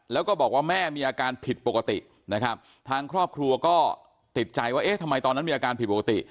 แล้วก็บอกว่าแม่มีอาการผิดปกตินะครับทางครอบครัวก็ติดใจว่าเอ๊ะทำไมตอนนั้นมีอาการผิดปกติ